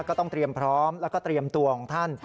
ก็ต้องเตรียมพร้อมแล้วก็เตรียมตัวของท่าน